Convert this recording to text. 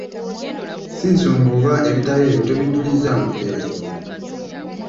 Ssi nsonga oba ebitabo ebyo tobijulizzaamu butereevu.